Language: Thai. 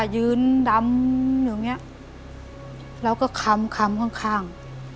ยืนยืน้ำแล้วก็คำข้าง